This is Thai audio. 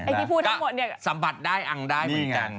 กิฟต์ทั้งหมดสัมบัติได้อังได้เหมือนกัน